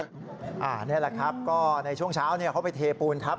นี่แหละครับก็ในช่วงเช้าเขาไปเทปูนทับ